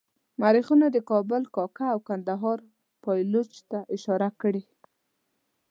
مورخینو د کابل کاکه او کندهار پایلوچ ته اشاره کړې.